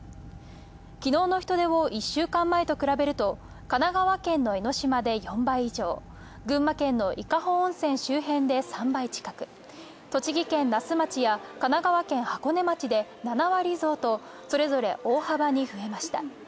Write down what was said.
昨日の人出を１週間前と比べると神奈川県の江の島で４倍以上、群馬県の伊香保温泉周辺で３倍近く、栃木県那須町や神奈川県箱根町で７割増とそれぞれ大幅に増えました。